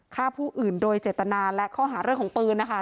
ฆ่าผู้อื่นโดยเจตนาและข้อหาเรื่องของปืนนะคะ